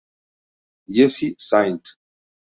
Jessie St.